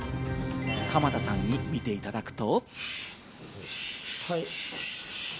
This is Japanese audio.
鎌田さんに見ていただくと。